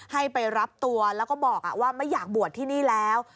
ให้ไปรับตัวแล้วก็บอกว่าไม่อยากบวชที่นี่แล้ว